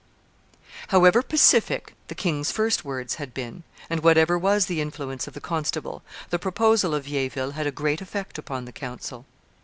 However pacific the king's first words had been, and whatever was the influence of the constable, the proposal of Vieilleville had a great effect upon the council.